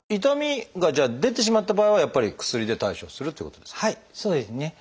痛みが出てしまった場合はやっぱり薬で対処するっていうことですか？